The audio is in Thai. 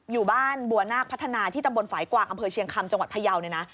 อยู่บ้านบัวนาคพัฒนาที่ตำบลฝ่ายกวางอำเภอเชียงคำจังหวัดพยาวเนี่ยนะ